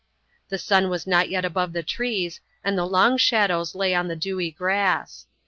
The sun was not yet above the trees and the long shadows lay on the dewy grass.